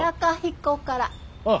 ああ。